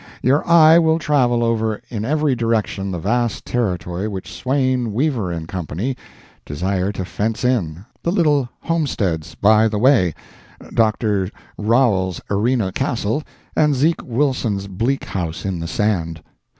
Your eye will travel over in every direction the vast territory which Swain, Weaver & Co. desire to fence in, the little homesteads by the way, Dr. Rowell's arena castle, and Zeke Wilson's Bleak House in the sand.